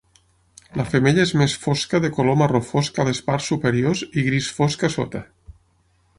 La femella és més fosca de color marró fosc a les parts superiors i gris fosc a sota.